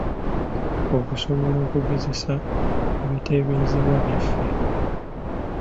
Okusobola okugezesa ebiteeberezebwa byaffe.